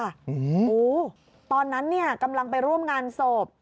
โอ้โฮตอนนั้นกำลังไปร่วมงานศพ